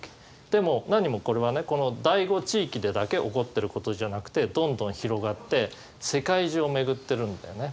でも何もこれはねこの醍醐地域でだけ起こってることじゃなくてどんどん広がって世界中を巡ってるんだよね。